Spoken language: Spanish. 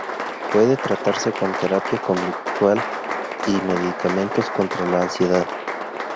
Puede tratarse con terapia conductual y medicamentos contra la ansiedad.